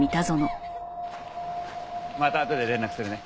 またあとで連絡するね。